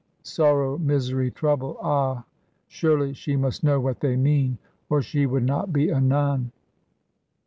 'Sorrow, misery, trouble' ah! surely she must know what they mean, or she would not be a nun.